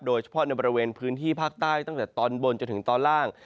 โดยเฉพาะในบริเวณพื้นที่ภาคใต้ตั้งแต่ตอนบนจนถึงตอนล่าง